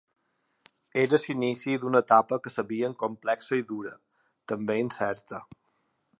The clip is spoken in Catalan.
Era l’inici d’una etapa que sabíem complexa i dura, també incerta.